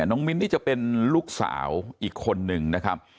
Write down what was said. มิ้นนี่จะเป็นลูกสาวอีกคนนึงนะครับ